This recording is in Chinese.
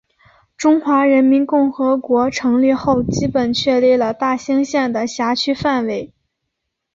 中华人民共和国成立后基本确定了大兴县的辖区范围。